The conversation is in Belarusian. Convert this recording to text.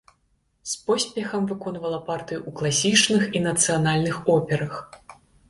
З поспехам выконвала партыі ў класічных і нацыянальных операх.